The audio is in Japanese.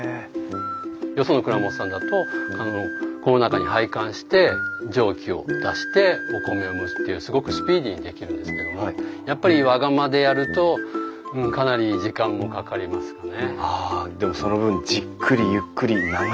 よその蔵元さんだとこの中に配管して蒸気を出してお米を蒸すというすごくスピーディーにできるんですけどもやっぱりあでもその分じっくりゆっくり長く。